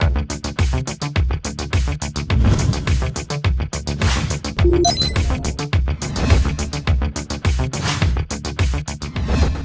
โปรดติดตามตอนต่อไป